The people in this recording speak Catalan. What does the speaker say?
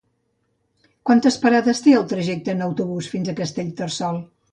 Quantes parades té el trajecte en autobús fins a Castellterçol?